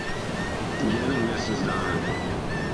Један месец дана.